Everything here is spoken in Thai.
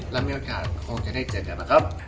แล้วเมื่อก่อนคงจะได้เจอเจ้าหน้าครับ